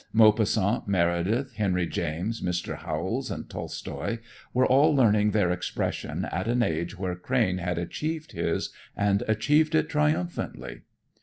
Maupassant, Meredith, Henry James, Mr. Howells and Tolstoy, were all learning their expression at an age where Crane had achieved his and achieved it triumphantly."